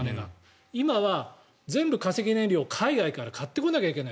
今は全部、化石燃料を海外から買ってこなきゃいけない。